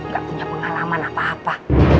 gak punya pengalaman apa apa